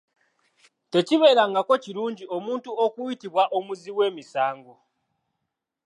Tekibeerangako kirungi omuntu okuyitibwa omuzzi wemisango.